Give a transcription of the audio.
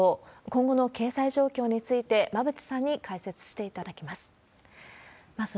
今後の経済状況について、馬渕さんに解説していただきます。